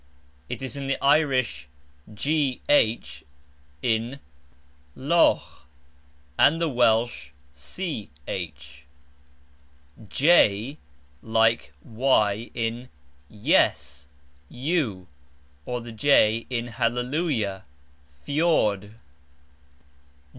It is the Irish GH in louGH, and the Welsh CH. j like Y in Yes, You, or J in halleluJah, fJord.